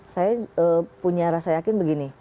saya punya rasa yakin begini